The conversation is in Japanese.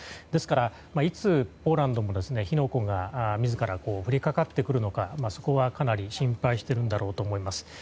ですから、いつポーランドも火の粉が自ら降りかかってくるのかは心配しているんだろうと思います。